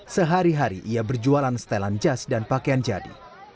sehari hari ia berjualan setelan jas dan pakaian jadi